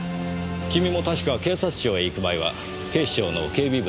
君も確か警察庁へ行く前は警視庁の警備部でしたねぇ。